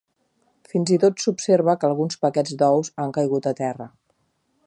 Fins i tot s'observa que alguns paquets d'ous han caigut a terra.